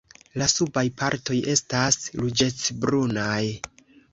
La subaj partoj estas ruĝecbrunaj.